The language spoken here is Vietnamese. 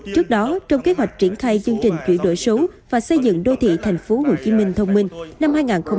trước đó trong kế hoạch triển khai chương trình chuyển đổi số và xây dựng đô thị thành phố hồ chí minh thông minh năm hai nghìn hai mươi ba